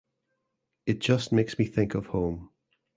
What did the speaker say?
It just makes me think of home.